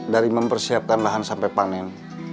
dari mempersiapkan lahan sampai panen